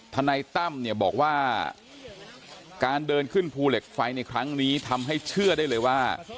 นายตั้มเนี่ยบอกว่าการเดินขึ้นภูเหล็กไฟในครั้งนี้ทำให้เชื่อได้เลยว่า